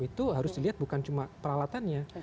itu harus dilihat bukan cuma peralatannya